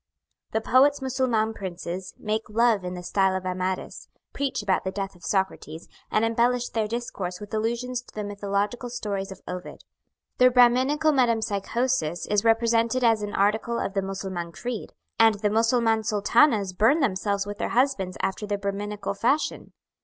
The poet's Mussulman princes make love in the style of Amadis, preach about the death of Socrates, and embellish their discourse with allusions to the mythological stories of Ovid. The Brahminical metempyschosis is represented as an article of the Mussulman creed; and the Mussulman Sultanas burn themselves with their husbands after the Brahminical fashion.